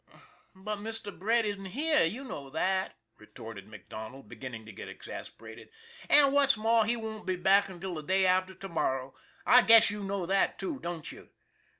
" But Mr. Brett isn't here, you know that," retorted MacDonald, beginning to get exasperated. " And, what's more, he won't be back until the day after to morrow. I guess you know that, too, don't you?"